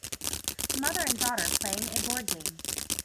Mother and daughter playing a board game